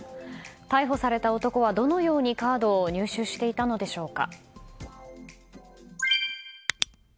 逮捕された男はどのようにカードを入手していたのでしょうか。